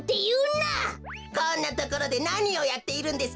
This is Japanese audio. こんなところでなにをやっているんですか？